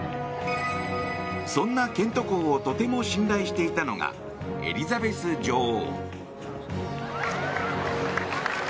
そんなケント公をとても信頼していたのがエリザベス女王。